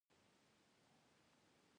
خدای خبر؟ بل کال به ګلونه کوي